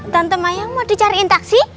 tante mayang mau dicariin taksi